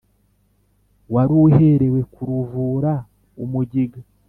waruherewe kuruvura umugiga.